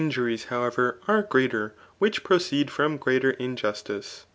Those ixijuries, howerer, are greater which proceed from greater injustice.